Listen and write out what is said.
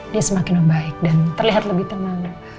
dia semakin lebih baik dan terlihat lebih tenang